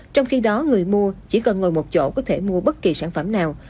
trong khi đó người mua chỉ cần ngồi một chỗ có thể mua bất kỳ sản phẩm nào